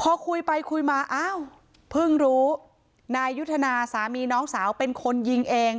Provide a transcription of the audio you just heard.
พอคุยไปคุยมาอ้าวเพิ่งรู้นายยุทธนาสามีน้องสาวเป็นคนยิงเอง